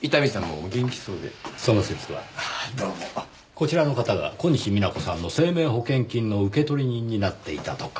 こちらの方が小西皆子さんの生命保険金の受取人になっていたとか。